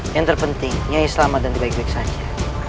yang terpenting ya selamat dan baik baik saja